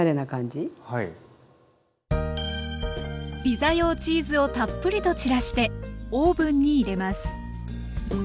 ピザ用チーズをたっぷりと散らしてオーブンに入れます。